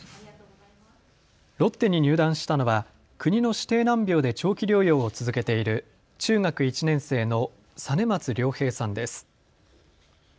ロッテに入団したのは国の指定難病で長期療養を続けている中学１年生の實松亮平さんです。